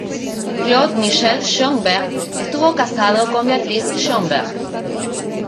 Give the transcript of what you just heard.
Claude-Michel Schönberg estuvo casado con Beatrice Schönberg.